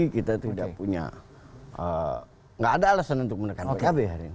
kita tidak punya nggak ada alasan untuk menekan pkb hari ini